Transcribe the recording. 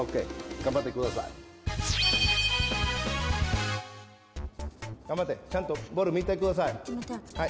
がんばってちゃんとボールみてください。